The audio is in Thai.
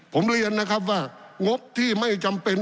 ผมเรียนนะครับว่างบที่ไม่จำเป็น